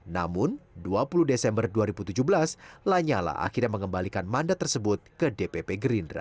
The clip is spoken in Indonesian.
namun dua puluh desember dua ribu tujuh belas lanyala akhirnya mengembalikan mandat tersebut ke dpp gerindra